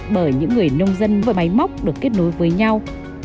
bởi những người nông dân với máy móc được kết nối với nhau